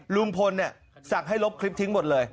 ลุงพลสั่งให้ลบคลิปทิ้งหมดเลย